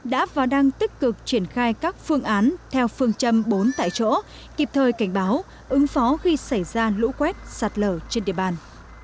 đã và đang tích cực triển khai các phương án theo phương châm bốn tại chỗ kịp thời cảnh báo ứng phó khi xảy ra lũ quét sạt lở trên địa bàn